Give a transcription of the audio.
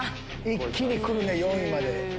一気に来るね４位まで。